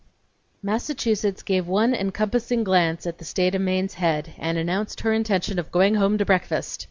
Massachusetts gave one encompassing glance at the State o' Maine's head, and announced her intention of going home to breakfast!